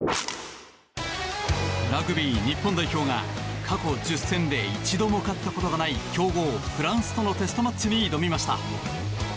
ラグビー日本代表が過去１０戦で一度も勝ったことがない強豪フランスとのテストマッチに挑みました。